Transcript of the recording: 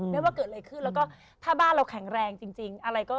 ว่าเกิดอะไรขึ้นแล้วก็ถ้าบ้านเราแข็งแรงจริงอะไรก็